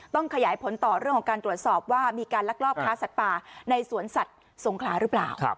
ขยายผลต่อเรื่องของการตรวจสอบว่ามีการลักลอบค้าสัตว์ป่าในสวนสัตว์สงขลาหรือเปล่า